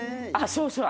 そうそう。